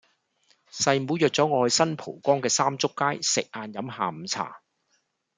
細妹約左我去新蒲崗嘅三祝街食晏飲下午茶